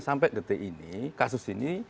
sampai detik ini kasus ini